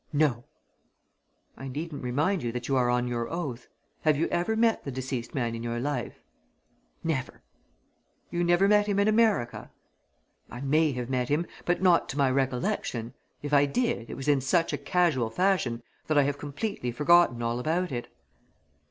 "No!" "I needn't remind you that you are on your oath. Have you ever met the deceased man in your life?" "Never!" "You never met him in America?" "I may have met him but not to my recollection. If I did, it was in such a casual fashion that I have completely forgotten all about it."